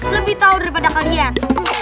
lebih tau daripada kalian